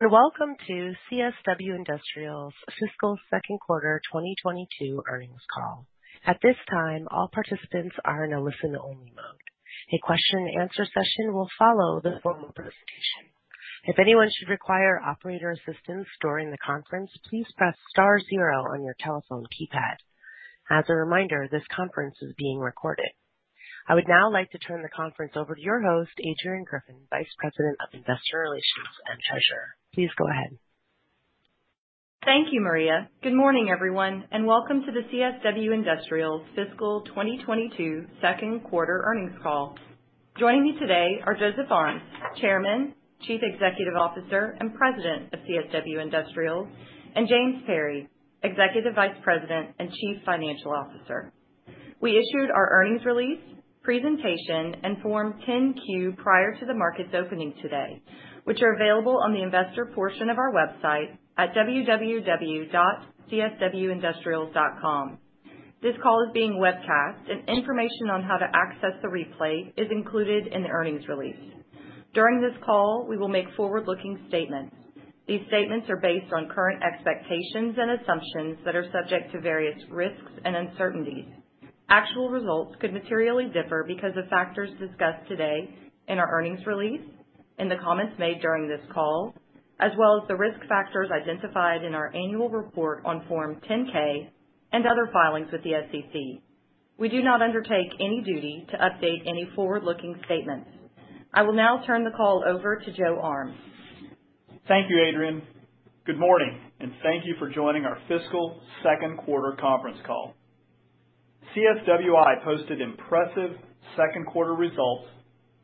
Welcome to CSW Industrials's Fiscal Q2 2022 earnings call. At this time, all participants are in a listen-only mode. A question-and-answer session will follow the formal presentation. If anyone should require operator assistance during the conference, please press star zero on your telephone keypad. As a reminder, this conference is being recorded. I would now like to turn the conference over to your host, Adrianne Griffin, Vice President of Investor Relations and Treasurer. Please go ahead. Thank you, Maria. Good morning, everyone, and welcome to the CSW Industrials' Fiscal 2022 Q2 earnings call. Joining me today are Joseph Armes, Chairman, Chief Executive Officer, and President of CSW Industrials, and James Perry, Executive Vice President and Chief Financial Officer. We issued our earnings release, presentation, and Form 10-Q prior to the market's opening today, which are available on the investor portion of our website at www.cswindustrials.com. This call is being webcast, and information on how to access the replay is included in the earnings release. During this call, we will make forward-looking statements. These statements are based on current expectations and assumptions that are subject to various risks and uncertainties. Actual results could materially differ because of factors discussed today in our earnings release, in the comments made during this call, as well as the risk factors identified in our annual report on Form 10-K and other filings with the SEC. We do not undertake any duty to update any forward-looking statements. I will now turn the call over to Joe Armes. Thank you, Adrian. Good morning, and thank you for joining our fiscal Q2 Conference Call. CSWI posted impressive Q2 results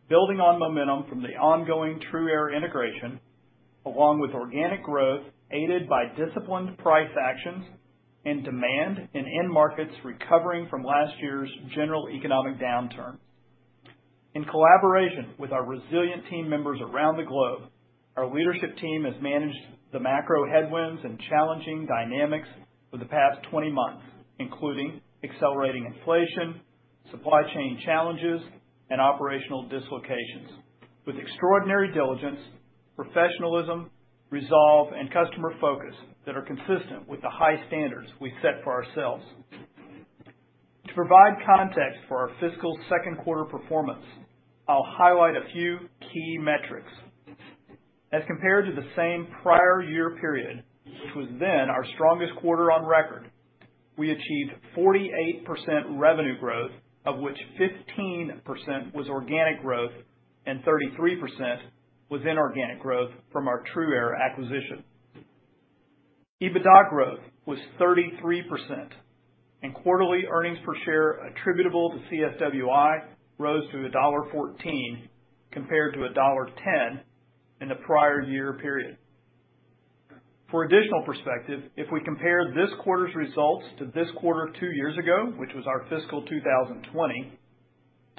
building on momentum from the ongoing TRUaire integration, along with organic growth, aided by disciplined price actions and demand in end markets recovering from last year's general economic downturn. In collaboration with our resilient team members around the globe, our leadership team has managed the macro headwinds and challenging dynamics for the past 20 months, including accelerating inflation, supply chain challenges, and operational dislocations with extraordinary diligence, professionalism, resolve, and customer focus that are consistent with the high standards we set for ourselves. To provide context for our fiscal Q2 performance, I'll highlight a few key metrics. As compared to the same prior year period, which was then our strongest quarter on record, we achieved 48% revenue growth, of which 15% was organic growth and 33% was inorganic growth from our TRUaire acquisition. EBITDA growth was 33%, and quarterly earnings per share attributable to CSWI rose to $1.14 compared to $1.10 in the prior year period. For additional perspective, if we compare this quarter's results to this quarter two years ago, which was our fiscal 2020,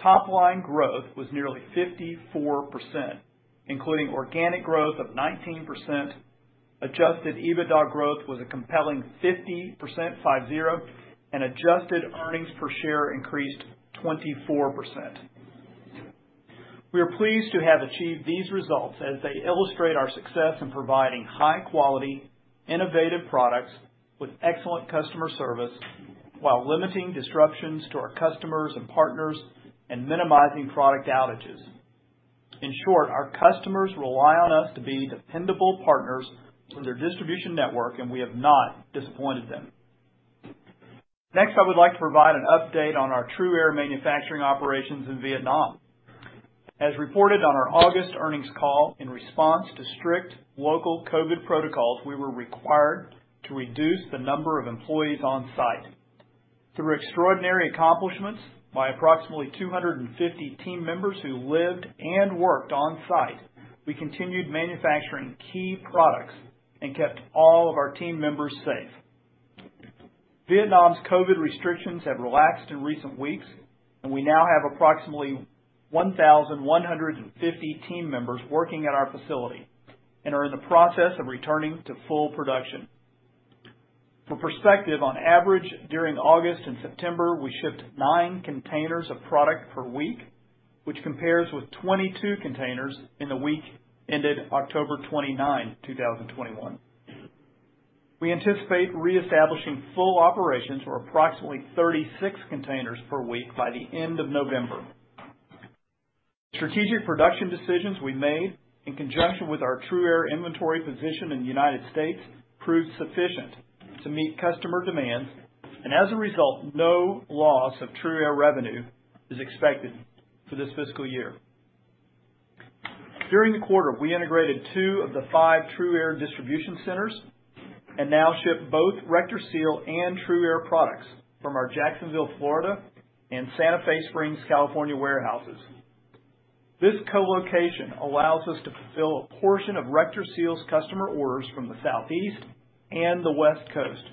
top-line growth was nearly 54%, including organic growth of 19%. Adjusted EBITDA growth was a compelling 50%, and adjusted earnings per share increased 24%. We are pleased to have achieved these results as they illustrate our success in providing high-quality, innovative products with excellent customer service, while limiting disruptions to our customers and partners and minimizing product outages. In short, our customers rely on us to be dependable partners in their distribution network, and we have not disappointed them. Next, I would like to provide an update on our TRUaire manufacturing operations in Vietnam. As reported on our August earnings call in response to strict local COVID protocols, we were required to reduce the number of employees on site. Through extraordinary accomplishments by approximately 250 team members who lived and worked on site, we continued manufacturing key products and kept all of our team members safe. Vietnam's COVID restrictions have relaxed in recent weeks, and we now have approximately 1,150 team members working at our facility and are in the process of returning to full production. For perspective, on average, during August and September, we shipped nine containers of product per week, which compares with 22 containers in the week ended October 29, 2021. We anticipate reestablishing full operations or approximately 36 containers per week by the end of November. Strategic production decisions we made in conjunction with our TRUaire inventory position in the United States proved sufficient to meet customer demands, and as a result, no loss of TRUaire revenue is expected for this fiscal year. During the quarter, we integrated two of the five TRUaire distribution centers and now ship both RectorSeal and TRUaire products from our Jacksonville, Florida, and Santa Fe Springs, California, warehouses. This co-location allows us to fulfill a portion of RectorSeal's customer orders from the Southeast and the West Coast,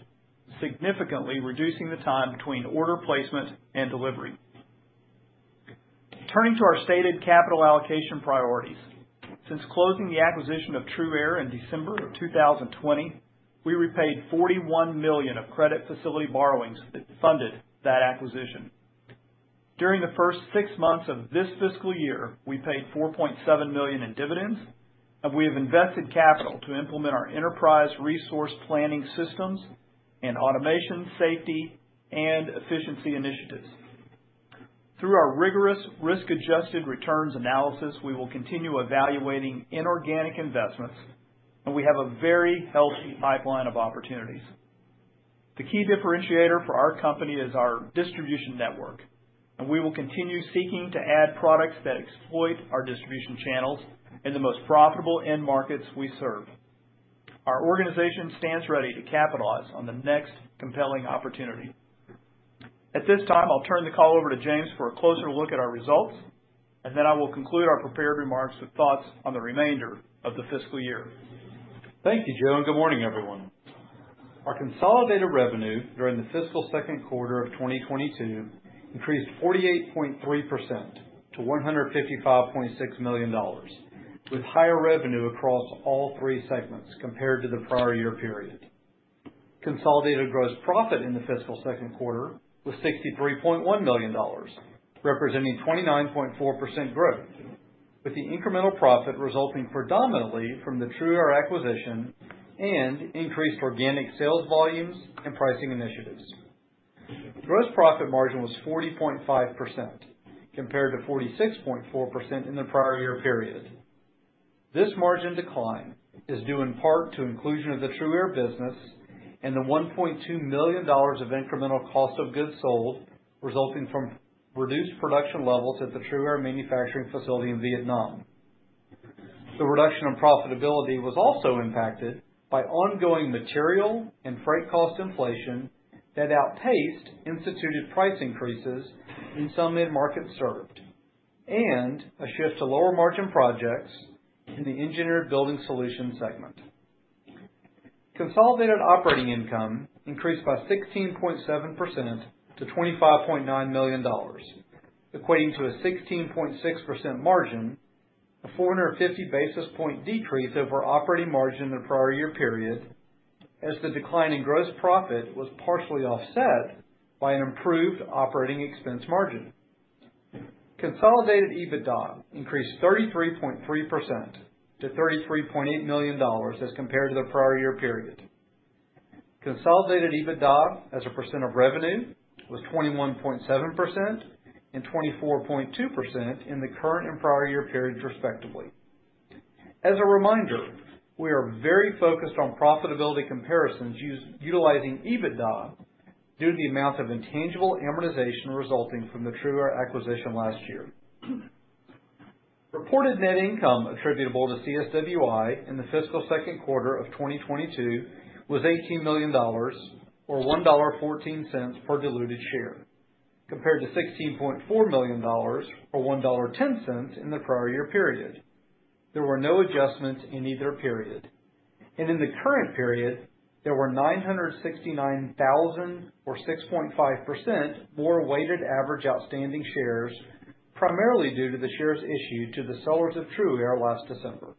significantly reducing the time between order placement and delivery. Turning to our stated capital allocation priorities. Since closing the acquisition of TRUaire in December of 2020, we repaid $41 million of credit facility borrowings that funded that acquisition. During the first six months of this fiscal year, we paid $4.7 million in dividends, and we have invested capital to implement our enterprise resource planning systems and automation, safety, and efficiency initiatives. Through our rigorous risk-adjusted returns analysis, we will continue evaluating inorganic investments, and we have a very healthy pipeline of opportunities. The key differentiator for our company is our distribution network, and we will continue seeking to add products that exploit our distribution channels in the most profitable end markets we serve. Our organization stands ready to capitalize on the next compelling opportunity. At this time, I'll turn the call over to James for a closer look at our results, and then I will conclude our prepared remarks with thoughts on the remainder of the fiscal year. Thank you, Joe, and good morning, everyone. Our consolidated revenue during the fiscal Q2 of 2022 increased 48.3% to $155.6 million, with higher revenue across all three segments compared to the prior year period. Consolidated gross profit in the fiscal Q2 was $63.1 million, representing 29.4% growth, with the incremental profit resulting predominantly from the TRUaire acquisition and increased organic sales volumes and pricing initiatives. Gross profit margin was 40.5% compared to 46.4% in the prior year period. This margin decline is due in part to inclusion of the TRUaire business and the $1.2 million of incremental cost of goods sold, resulting from reduced production levels at the TRUaire manufacturing facility in Vietnam. The reduction in profitability was also impacted by ongoing material and freight cost inflation that outpaced instituted price increases in some end markets served and a shift to lower-margin projects in the Engineered Building Solutions segment. Consolidated operating income increased by 16.7% to $25.9 million, equating to a 16.6% margin, a 450 basis point decrease over operating margin in the prior year period as the decline in gross profit was partially offset by an improved operating expense margin. Consolidated EBITDA increased 33.3% to $33.8 million as compared to the prior year period. Consolidated EBITDA as a percent of revenue was 21.7% and 24.2% in the current and prior year periods, respectively. As a reminder, we are very focused on profitability comparisons by utilizing EBITDA due to the amount of intangible amortization resulting from the TRUaire acquisition last year. Reported net income attributable to CSWI in the fiscal Q2 of 2022 was $18 million or $1.14 per diluted share, compared to $16.4 million or $1.10 in the prior year period. There were no adjustments in either period, and in the current period, there were 969,000 or 6.5% more weighted average outstanding shares, primarily due to the shares issued to the sellers of TRUaire last December.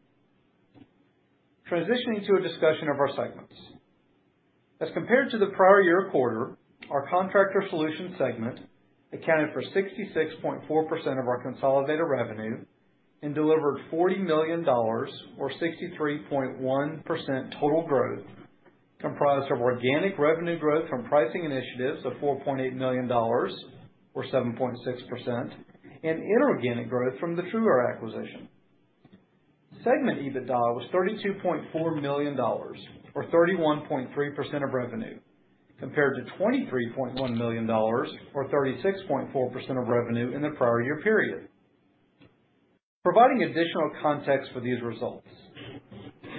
Transitioning to a discussion of our segments. As compared to the prior year quarter, our Contractor Solutions segment accounted for 66.4% of our consolidated revenue and delivered $40 million or 63.1% total growth, comprised of organic revenue growth from pricing initiatives of $4.8 million or 7.6% and inorganic growth from the TRUaire acquisition. Segment EBITDA was $32.4 million or 31.3% of revenue, compared to $23.1 million or 36.4% of revenue in the prior year period. Providing additional context for these results.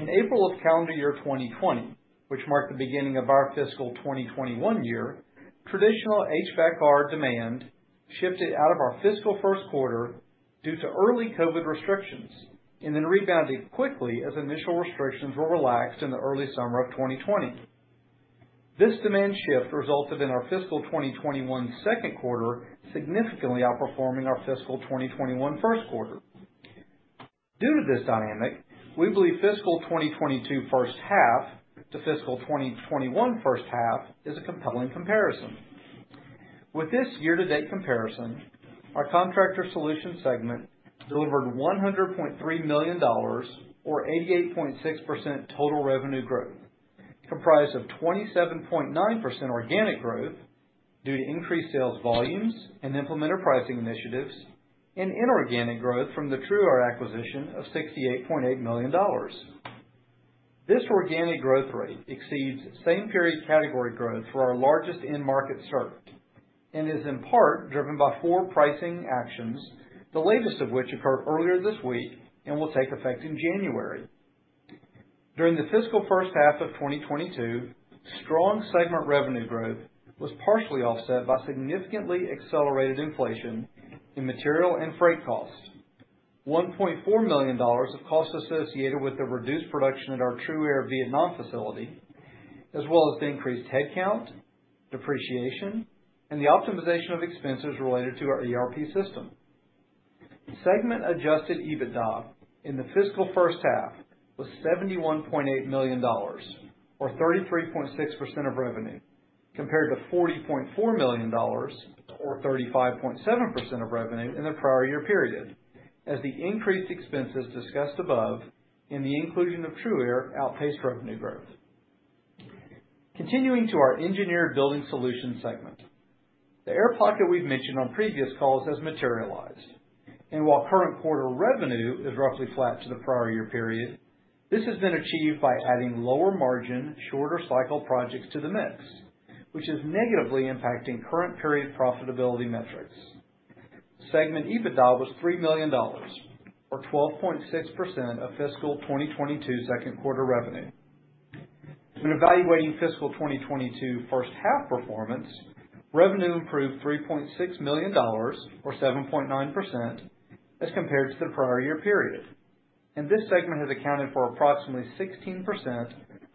In April of calendar year 2020, which marked the beginning of our fiscal 2021 year, traditional HVACR demand shifted out of our fiscal Q1 due to early COVID restrictions and then rebounded quickly as initial restrictions were relaxed in the early summer of 2020. This demand shift resulted in our fiscal 2021 Q2 significantly outperforming our fiscal 2021 Q1. Due to this dynamic, we believe fiscal 2022 first half to fiscal 2021 first half is a compelling comparison. With this year-to-date comparison, our Contractor Solutions segment delivered $100.3 million or 88.6% total revenue growth, comprised of 27.9% organic growth due to increased sales volumes and implemented pricing initiatives, and inorganic growth from the TRUaire acquisition of $68.8 million. This organic growth rate exceeds same period category growth for our largest end market served and is in part driven by four pricing actions, the latest of which occurred earlier this week and will take effect in January. During the fiscal first half of 2022, strong segment revenue growth was partially offset by significantly accelerated inflation in material and freight costs, $1.4 million of costs associated with the reduced production at our TRUaire Vietnam facility, as well as the increased headcount, depreciation, and the optimization of expenses related to our ERP system. Segment adjusted EBITDA in the fiscal first half was $71.8 million, or 33.6% of revenue, compared to $40.4 million or 35.7% of revenue in the prior year period. As the increased expenses discussed above, including TRUaire, outpaced revenue growth. Continuing to our Engineered Building Solutions segment. The air pocket we've mentioned on previous calls has materialized, and while current quarter revenue is roughly flat to the prior year period, this has been achieved by adding lower-margin, shorter cycle projects to the mix, which is negatively impacting current period profitability metrics. Segment EBITDA was $3 million or 12.6% of fiscal 2022 Q2 revenue. When evaluating fiscal 2022 first half performance, revenue improved $3.6 million or 7.9% as compared to the prior year period. This segment has accounted for approximately 16%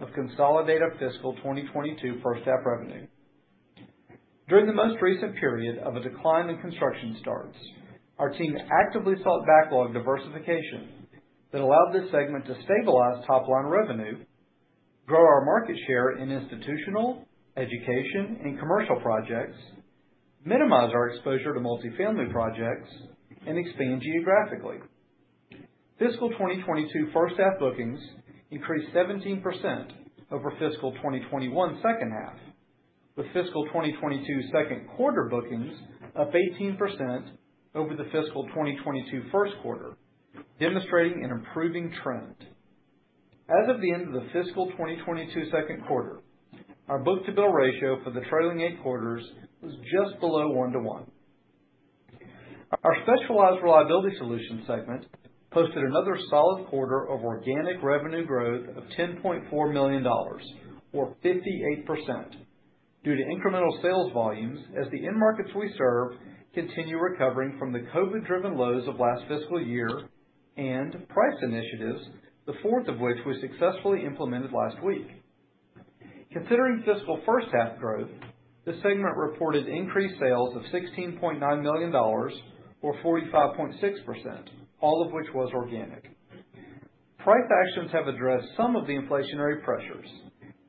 of consolidated fiscal 2022 first half revenue. During the most recent period of a decline in construction starts, our team actively sought backlog diversification that allowed this segment to stabilize top-line revenue, grow our market share in institutional, education, and commercial projects, minimize our exposure to multi-family projects, and expand geographically. Fiscal 2022 first half bookings increased 17% over fiscal 2021 second half, with fiscal 2022 Q2 bookings up 18% over the fiscal 2022 Q1, demonstrating an improving trend. As of the end of the fiscal 2022 Q2, our book-to-bill ratio for the trailing eight quarters was just below 1:1. Our Specialized Reliability Solutions segment posted another solid quarter of organic revenue growth of $10.4 million or 58% due to incremental sales volumes as the end markets we serve continue recovering from the COVID driven lows of last fiscal year and price initiatives, the fourth of which we successfully implemented last week. Considering fiscal first half growth, this segment reported increased sales of $16.9 million or 45.6%, all of which was organic. Price actions have addressed some of the inflationary pressures,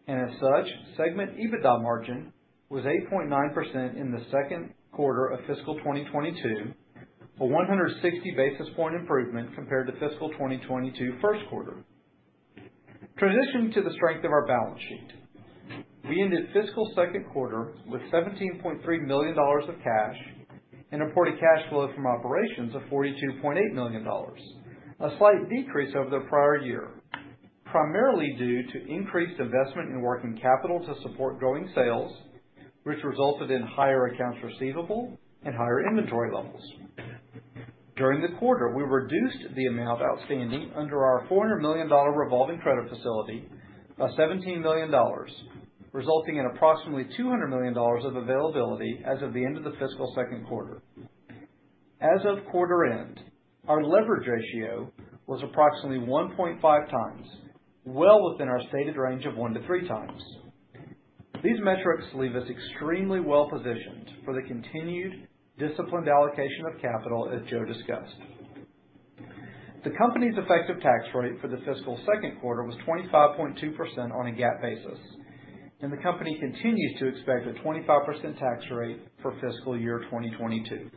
and as such, segment EBITDA margin was 8.9% in the Q2 of fiscal 2022, a 160 basis point improvement compared to fiscal 2022 Q1. Transitioning to the strength of our balance sheet. We ended fiscal Q2 with $17.3 million of cash and reported cash flow from operations of $42.8 million, a slight decrease over the prior year, primarily due to increased investment in working capital to support growing sales, which resulted in higher accounts receivable and higher inventory levels. During the quarter, we reduced the amount outstanding under our $400 million revolving credit facility by $17 million, resulting in approximately $200 million of availability as of the end of the fiscal Q2. As of quarter end, our leverage ratio was approximately 1.5 times, well within our stated range of 1-3 times. These metrics leave us extremely well-positioned for the continued disciplined allocation of capital as Joe discussed. The company's effective tax rate for the fiscal Q2 was 25.2% on a GAAP basis, and the company continues to expect a 25% tax rate for fiscal year 2022.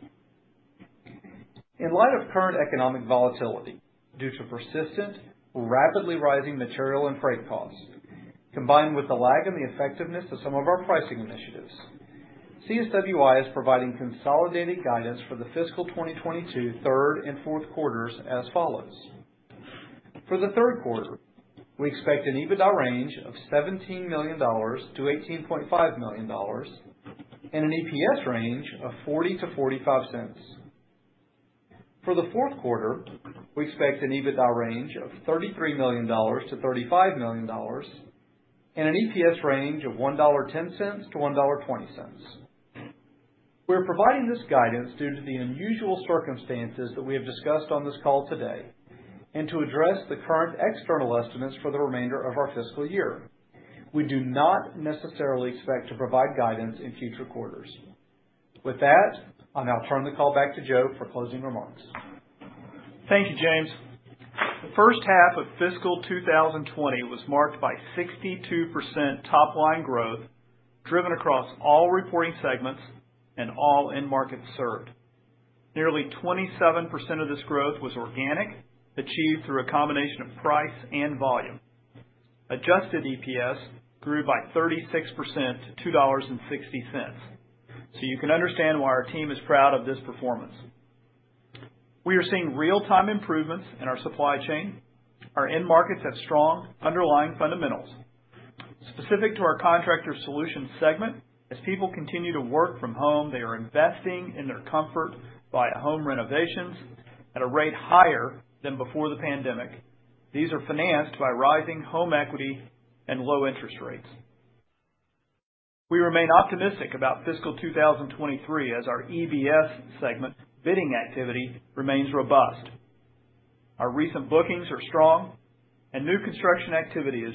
In light of current economic volatility, due to persistent, rapidly rising material and freight costs, combined with the lag in the effectiveness of some of our pricing initiatives, CSWI is providing consolidated guidance for the fiscal 2022 third and Q4s as follows. For the Q3, we expect an EBITDA range of $17 million-$18.5 million and an EPS range of $0.40-$0.45. For the Q4, we expect an EBITDA range of $33 million-$35 million and an EPS range of $1.10-$1.20. We're providing this guidance due to the unusual circumstances that we have discussed on this call today and to address the current external estimates for the remainder of our fiscal year. We do not necessarily expect to provide guidance in future quarters. With that, I'll now turn the call back to Joe for closing remarks. Thank you, James. The first half of fiscal 2020 was marked by 62% top-line growth driven across all reporting segments and all end markets served. Nearly 27% of this growth was organic, achieved through a combination of price and volume. Adjusted EPS grew by 36% to $2.60. You can understand why our team is proud of this performance. We are seeing real-time improvements in our supply chain. Our end markets have strong underlying fundamentals. Specific to our Contractor Solutions segment, as people continue to work from home, they are investing in their comfort via home renovations at a rate higher than before the pandemic. These are financed by rising home equity and low interest rates. We remain optimistic about fiscal 2023 as our EBS segment bidding activity remains robust. Our recent bookings are strong and new construction activity is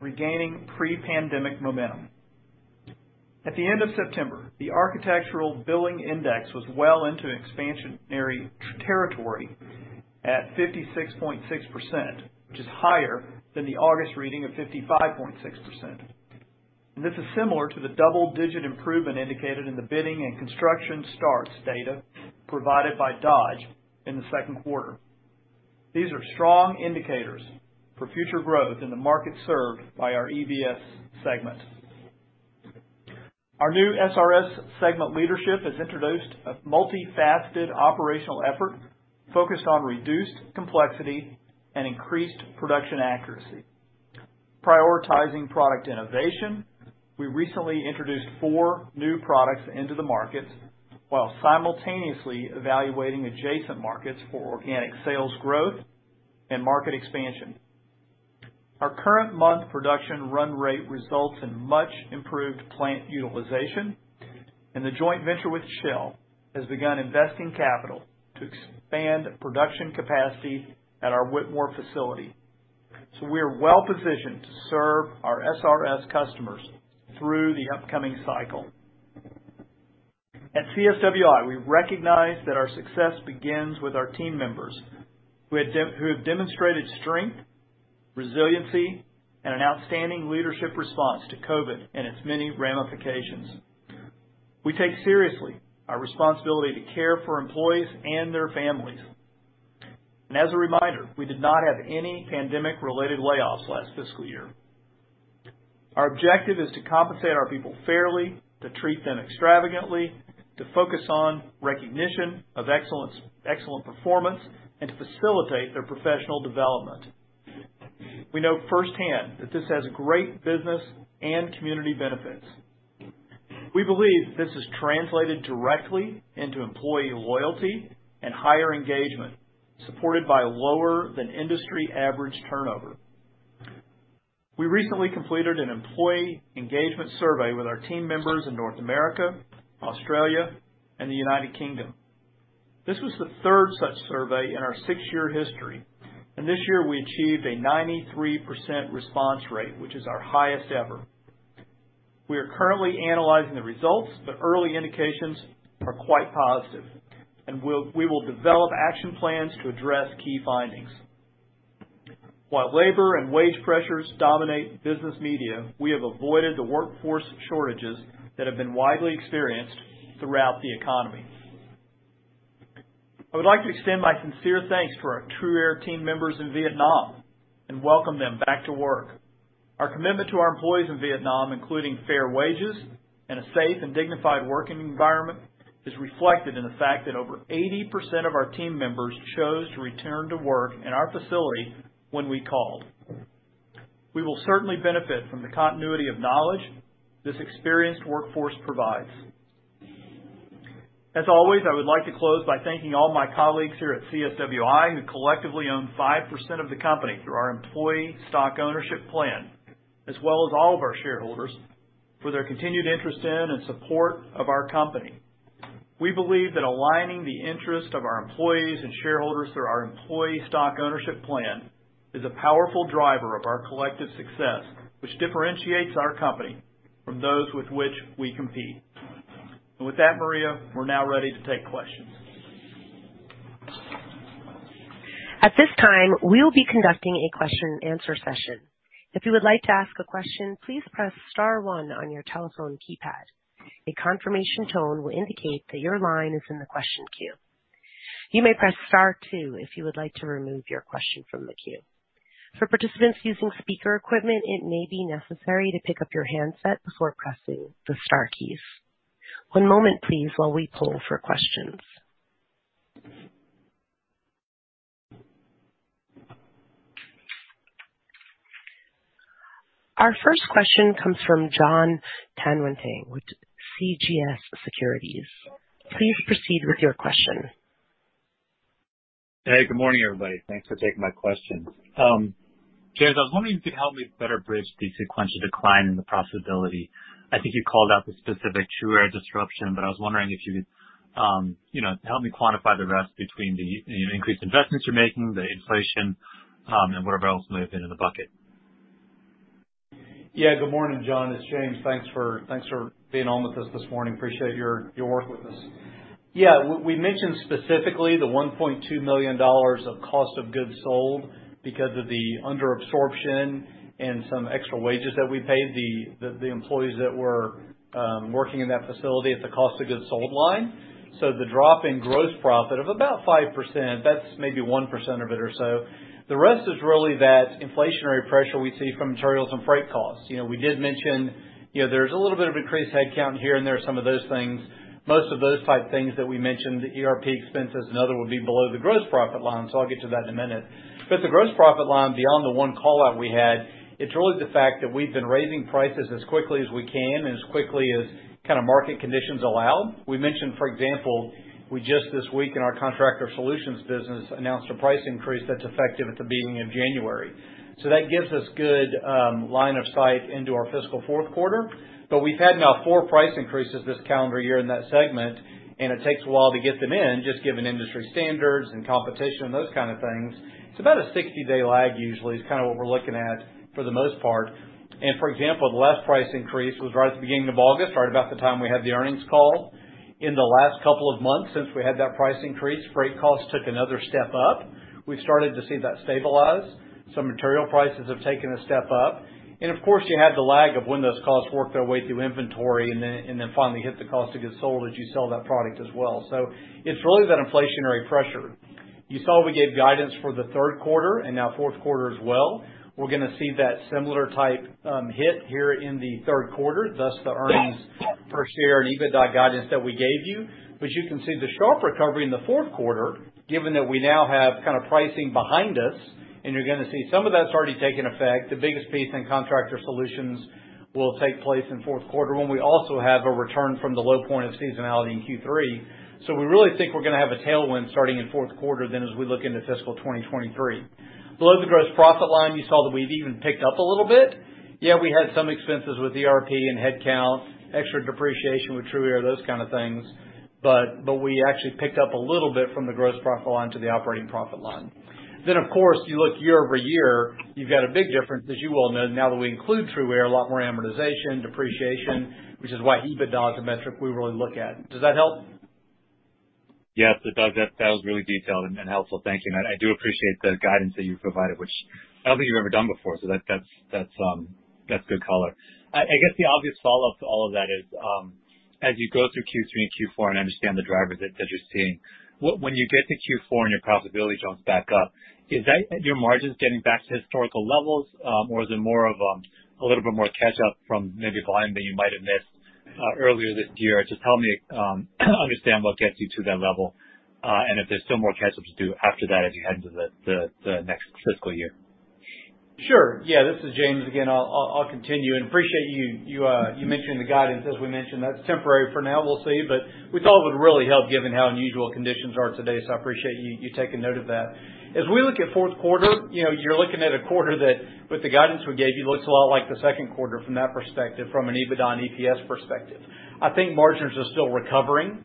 regaining pre-pandemic momentum. At the end of September, the Architecture Billings Index was well into expansionary territory at 56.6%, which is higher than the August reading of 55.6%. This is similar to the double-digit improvement indicated in the bidding and construction starts data provided by Dodge in the Q2. These are strong indicators for future growth in the market served by our EBS segment. Our new SRS segment leadership has introduced a multi-faceted operational effort focused on reduced complexity and increased production accuracy. Prioritizing product innovation, we recently introduced four new products into the market while simultaneously evaluating adjacent markets for organic sales growth and market expansion. Our current month production run rate results in much improved plant utilization, and the joint venture with Shell has begun investing capital to expand production capacity at our Whitmore facility. We are well-positioned to serve our SRS customers through the upcoming cycle. At CSWI, we recognize that our success begins with our team members who have demonstrated strength, resiliency, and an outstanding leadership response to COVID and its many ramifications. We take seriously our responsibility to care for employees and their families. As a reminder, we did not have any pandemic-related layoffs last fiscal year. Our objective is to compensate our people fairly, to treat them extravagantly, to focus on recognition of excellence, excellent performance, and to facilitate their professional development. We know firsthand that this has great business and community benefits. We believe this is translated directly into employee loyalty and higher engagement, supported by lower than industry average turnover. We recently completed an employee engagement survey with our team members in North America, Australia, and the United Kingdom. This was the third such survey in our six-year history, and this year we achieved a 93% response rate, which is our highest ever. We are currently analyzing the results, but early indications are quite positive and we will develop action plans to address key findings. While labor and wage pressures dominate business media, we have avoided the workforce shortages that have been widely experienced throughout the economy. I would like to extend my sincere thanks to our TRUaire team members in Vietnam and welcome them back to work. Our commitment to our employees in Vietnam, including fair wages and a safe and dignified working environment, is reflected in the fact that over 80% of our team members chose to return to work in our facility when we called. We will certainly benefit from the continuity of knowledge this experienced workforce provides. As always, I would like to close by thanking all my colleagues here at CSWI, who collectively own 5% of the company through our employee stock ownership plan, as well as all of our shareholders for their continued interest in and support of our company. We believe that aligning the interests of our employees and shareholders through our employee stock ownership plan is a powerful driver of our collective success, which differentiates our company from those with which we compete. With that, Maria, we're now ready to take questions. At this time, we will be conducting a question and answer session. If you would like to ask a question, please press star one on your telephone keypad. A confirmation tone will indicate that your line is in the question queue. You may press star two if you would like to remove your question from the queue. For participants using speaker equipment, it may be necessary to pick up your handset before pressing the star keys. One moment please while we poll for questions. Our first question comes from Jon Tanwanteng with CJS Securities. Please proceed with your question. Hey, good morning, everybody. Thanks for taking my questions. James, I was wondering if you could help me better bridge the sequential decline in the profitability. I think you called out the specific TRUaire disruption, but I was wondering if you could, you know, help me quantify the rest between the increased investments you're making, the inflation, and whatever else may have been in the bucket. Yeah. Good morning, Jon. It's James. Thanks for being on with us this morning. Appreciate your work with us. We mentioned specifically the $1.2 million of cost of goods sold because of the under absorption and some extra wages that we paid the employees that were working in that facility at the cost of goods sold line. The drop in gross profit of about 5%, that's maybe 1% of it or so. The rest is really that inflationary pressure we see from materials and freight costs. You know, we did mention, you know, there's a little bit of increased headcount here and there, some of those things. Most of those type things that we mentioned, the ERP expenses and other, would be below the gross profit line. I'll get to that in a minute. The gross profit line beyond the one call out we had, it's really the fact that we've been raising prices as quickly as we can and as quickly as kind of market conditions allow. We mentioned, for example, we just this week in our Contractor Solutions business announced a price increase that's effective at the beginning of January. That gives us good line of sight into our fiscal Q4. We've had now four price increases this calendar year in that segment, and it takes a while to get them in, just given industry standards and competition and those kind of things. It's about a 60-day lag usually is kind of what we're looking at for the most part. For example, the last price increase was right at the beginning of August, right about the time we had the earnings call. In the last couple of months since we had that price increase, freight costs took another step up. We started to see that stabilize. Some material prices have taken a step up. Of course, you had the lag of when those costs work their way through inventory and then finally hit the cost of goods sold as you sell that product as well. It's really that inflationary pressure. You saw we gave guidance for the Q3 and now Q4 as well. We're gonna see that similar type hit here in the Q3, thus the earnings per share and EBITDA guidance that we gave you. You can see the sharp recovery in the Q4, given that we now have kind of pricing behind us, and you're gonna see some of that's already taking effect. The biggest piece in Contractor Solutions will take place in Q4 when we also have a return from the low point of seasonality in Q3. We really think we're gonna have a tailwind starting in Q4 then as we look into fiscal 2023. Below the gross profit line, you saw that we've even picked up a little bit. Yeah, we had some expenses with ERP and headcount, extra depreciation with TRUaire, those kind of things, but we actually picked up a little bit from the gross profit line to the operating profit line. Of course, you look year-over-year, you've got a big difference, as you well know, now that we include TRUaire, a lot more amortization, depreciation, which is why EBITDA is a metric we really look at. Does that help? Yes, it does. That was really detailed and helpful. Thank you. I do appreciate the guidance that you've provided, which I don't think you've ever done before, so that's good color. I guess the obvious follow-up to all of that is, as you go through Q3 and Q4, and I understand the drivers that you're seeing, when you get to Q4 and your profitability jumps back up, is that your margins getting back to historical levels, or is it more of a little bit more catch-up from maybe volume that you might have missed earlier this year? Just help me understand what gets you to that level, and if there's still more catch-ups to do after that as you head into the next fiscal year. Sure. Yeah, this is James again. I'll continue. Appreciate you mentioning the guidance. As we mentioned, that's temporary for now. We'll see, but we thought it would really help given how unusual conditions are today. I appreciate you taking note of that. As we look at Q4, you know, you're looking at a quarter that, with the guidance we gave you, looks a lot like the Q2 from that perspective, from an EBITDA and EPS perspective. I think margins are still recovering,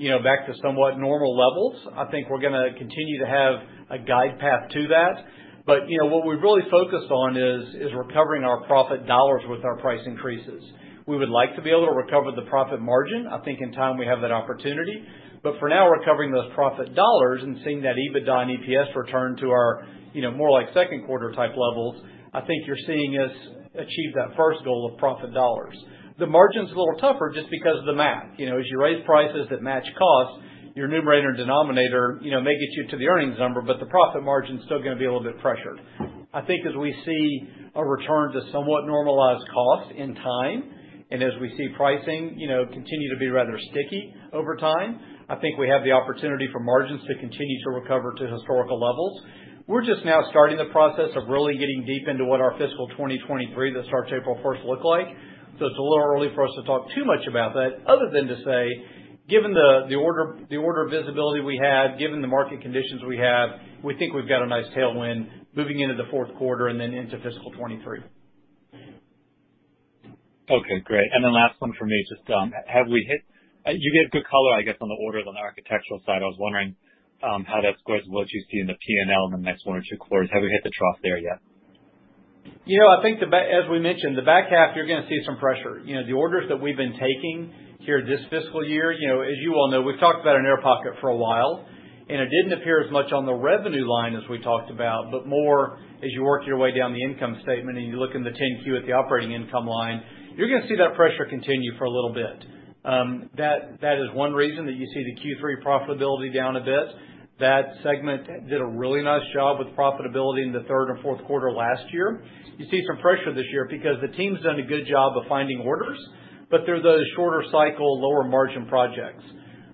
you know, back to somewhat normal levels. I think we're gonna continue to have a guide path to that. You know, what we've really focused on is recovering our profit dollars with our price increases. We would like to be able to recover the profit margin. I think in time we have that opportunity. For now, recovering those profit dollars and seeing that EBITDA and EPS return to our, you know, more like Q2 type levels, I think you're seeing us achieve that first goal of profit dollars. The margin's a little tougher just because of the math. You know, as you raise prices that match costs, your numerator and denominator, you know, may get you to the earnings number, but the profit margin's still gonna be a little bit pressured. I think as we see a return to somewhat normalized costs in time, and as we see pricing, you know, continue to be rather sticky over time, I think we have the opportunity for margins to continue to recover to historical levels. We're just now starting the process of really getting deep into what our fiscal 2023 that starts April 1 look like. It's a little early for us to talk too much about that other than to say, given the order visibility we have, given the market conditions we have, we think we've got a nice tailwind moving into the Q4 and then into fiscal 2023. Okay, great. Last one from me. Just, have we hit? You gave good color, I guess, on the orders on the architectural side. I was wondering, how that squares with what you see in the P&L in the next one or two quarters. Have we hit the trough there yet? You know, I think as we mentioned, the back half, you're gonna see some pressure. You know, the orders that we've been taking here this fiscal year, you know, as you all know, we've talked about an air pocket for a while, and it didn't appear as much on the revenue line as we talked about, but more as you work your way down the income statement and you look in the 10-Q at the operating income line, you're gonna see that pressure continue for a little bit. That is one reason that you see the Q3 profitability down a bit. That segment did a really nice job with profitability in the third and Q4 last year. You see some pressure this year because the team's done a good job of finding orders, but they're those shorter cycle, lower margin projects.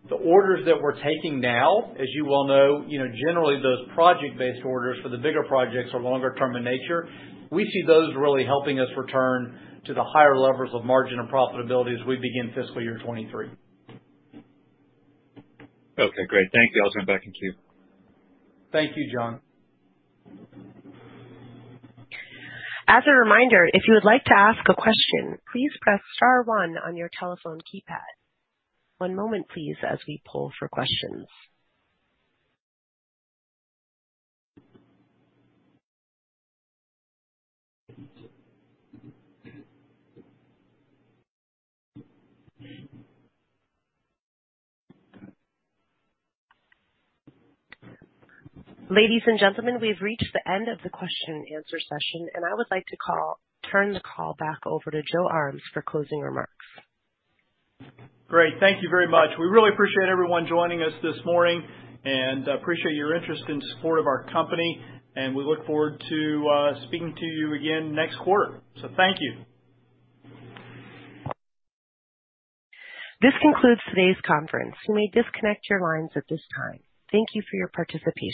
The orders that we're taking now, as you well know, you know, generally those project-based orders for the bigger projects are longer term in nature. We see those really helping us return to the higher-levels of margin and profitability as we begin fiscal year 2023. Okay, great. Thank you. I'll send it back in queue. Thank you, Jon. As a reminder, if you would like to ask a question, please press star one on your telephone keypad. One moment please as we poll for questions. Ladies and gentlemen, we've reached the end of the question and answer session, and I would like to turn the call back over to Joe Armes for closing remarks. Great. Thank you very much. We really appreciate everyone joining us this morning, and appreciate your interest and support of our company, and we look forward to speaking to you again next quarter. Thank you. This concludes today's conference. You may disconnect your lines at this time. Thank you for your participation.